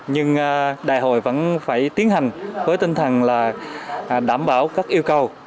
nhưng đại hội vẫn phải tiến hành với tinh thần là đảm bảo các yêu cầu